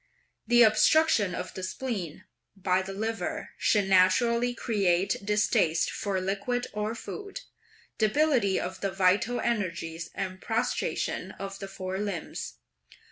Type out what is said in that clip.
The obstruction of the spleen by the liver should naturally create distaste for liquid or food, debility of the vital energies and prostration of the four limbs.